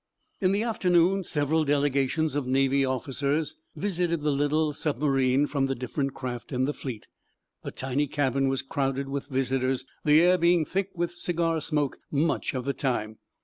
In the afternoon several delegations of naval officers visited the little submarine from the different craft in the fleet. The tiny cabin was crowded with visitors, the air being thick with cigar smoke much of the time.